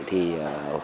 thì chúng ta sẽ có thể